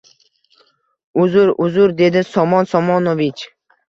Uzr-uzr, dedi Somon Somonovich